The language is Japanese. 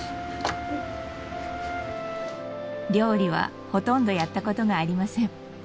料理はほとんどやったことがありません。